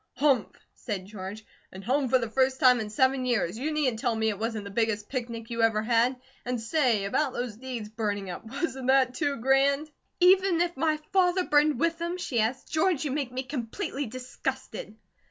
"Humph!" said George. "And home for the first time in seven years. You needn't tell me it wasn't the biggest picnic you ever had! And say, about those deeds burning up wasn't that too grand?" "Even if my father burned with them?" she asked. "George, you make me completely disgusted."